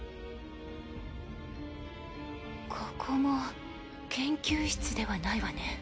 ここも研究室ではないわね。